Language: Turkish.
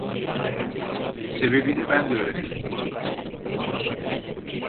Sebebini ben de öğrenemedim.